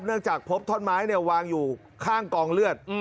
เนื่องจากพบทธรไม้วางอยู่ข้างกองเลือด